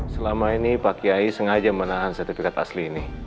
selama ini pak kiai sengaja menahan sertifikat asli ini